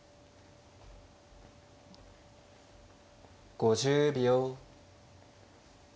５０秒。